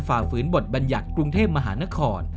ฝ่าฝืนบทบัญญัติกรุงเทพมหานคร